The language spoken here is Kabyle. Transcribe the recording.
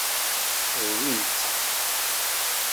Rwin-tt.